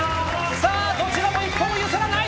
どちらも一歩も譲らない！